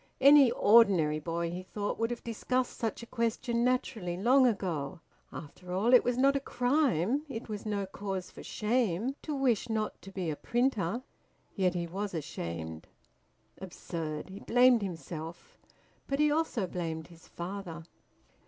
Any ordinary boy (he thought) would have discussed such a question naturally long ago. After all, it was not a crime, it was no cause for shame, to wish not to be a printer. Yet he was ashamed! Absurd! He blamed himself. But he also blamed his father.